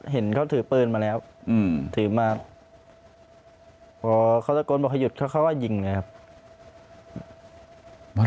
เห็นเขาถือปืนมาแล้วถือมาพอเขาตะโกนบอกให้หยุดเขาก็ยิงเลยครับ